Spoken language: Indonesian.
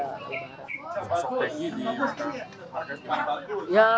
masuk peggy di warga